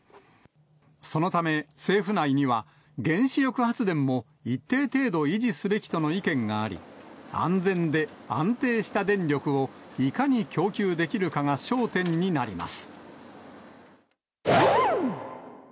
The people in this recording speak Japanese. そのため、政府内には原子力発電も一定程度維持すべきとの意見もあり、安全で安定した電力をいかに供給できるかが焦点になります。